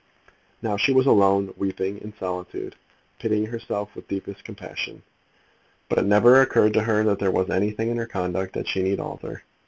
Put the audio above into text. Now she was alone, weeping in solitude, pitying herself with deepest compassion; but it never occurred to her that there was anything in her conduct that she need alter.